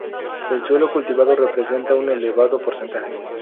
El suelo cultivado representa un elevado porcentaje.